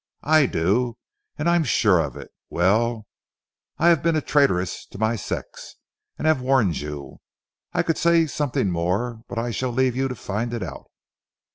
"I do, and I am sure of it. Well, I have been a traitress to my sex and have warned you. I could say something more but I shall leave you to find it out."